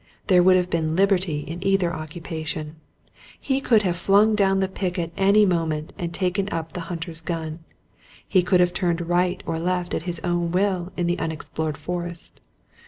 There would have been liberty in either occupation: he could have flung down the pick at any moment and taken up the hunter's gun: he could have turned right or left at his own will in the unexplored forest.